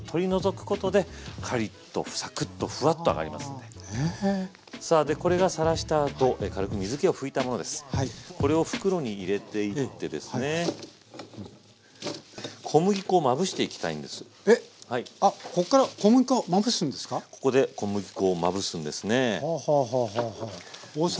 ここで小麦粉をまぶすんですね。